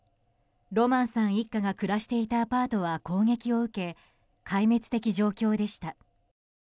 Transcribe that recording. ロマンさん一家が暮らしていたアパートは攻撃を受け壊滅的状況でした。